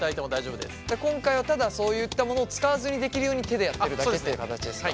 今回はただそういったものを使わずにできるように手でやってるだけっていう形ですか？